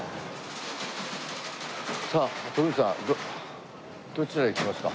さあ徳光さんどちらへ行きますか？